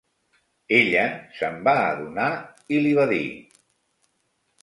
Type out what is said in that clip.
Ella se'n va adonar i li va dir: